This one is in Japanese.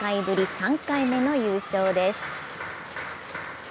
３回目の優勝です。